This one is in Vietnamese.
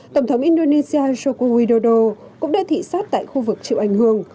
tổng thống indonesia joko widodo cũng đã thị xát tại khu vực chịu ảnh hưởng